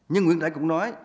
nhưng nguyễn trãi cũng nói